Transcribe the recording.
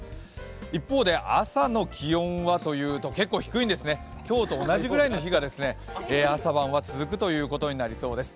一方で朝の気温はというと結構、低いんですね、今日と同じくらいの日が朝晩は続くということになりそうです。